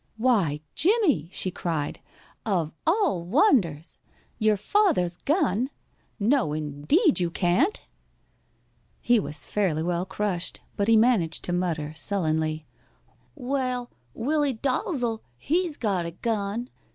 "Why, Jimmie!" she cried. "Of al l wonders! Your father's gun! No indeed you can't!" He was fairly well crushed, but he managed to mutter, sullenly, "Well, Willie Dalzel, he's got a gun."